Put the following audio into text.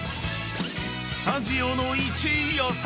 ［スタジオの１位予想］